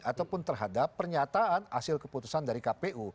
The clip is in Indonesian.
ataupun terhadap pernyataan hasil keputusan dari kpu